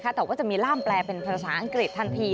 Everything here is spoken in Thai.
แต่ว่าจะมีล่ามแปลเป็นภาษาอังกฤษทันที